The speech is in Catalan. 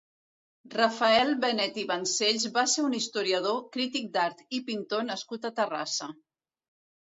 Rafael Benet i Vancells va ser un historiador, crític d'art i pintor nascut a Terrassa.